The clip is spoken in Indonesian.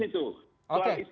sudah habis itu